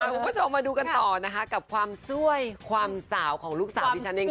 คุณผู้ชมมาดูกันต่อนะคะกับความสวยความสาวของลูกสาวที่ฉันเอง